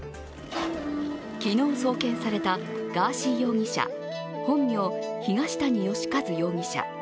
昨日、送検されたガーシー容疑者本名・東谷容疑者。